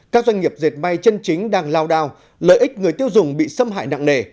các doanh nghiệp dệt may chân chính đang lao đao lợi ích người tiêu dùng bị xâm hại nặng nề